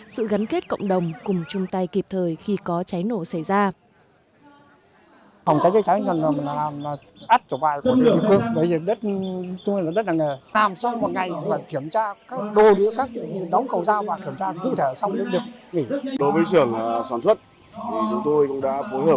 sự gắn kết cộng đồng cùng chung tay kịp thời khi có cháy nổ xảy ra